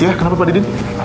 iya kenapa pak didin